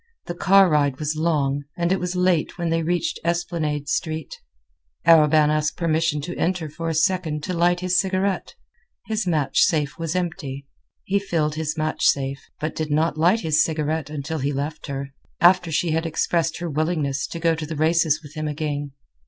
The car ride was long, and it was late when they reached Esplanade Street. Arobin asked permission to enter for a second to light his cigarette—his match safe was empty. He filled his match safe, but did not light his cigarette until he left her, after she had expressed her willingness to go to the races with him again.